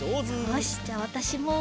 よしじゃあわたしも。